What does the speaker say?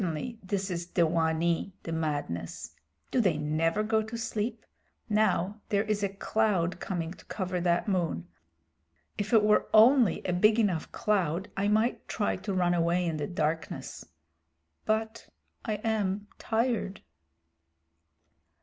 Certainly this is dewanee, the madness. Do they never go to sleep? Now there is a cloud coming to cover that moon. If it were only a big enough cloud I might try to run away in the darkness. But I am tired."